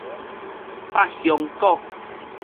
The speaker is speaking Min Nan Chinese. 百香果